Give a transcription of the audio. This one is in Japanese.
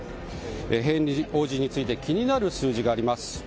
ヘンリー王子について気になる数字があります。